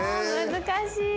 難しい。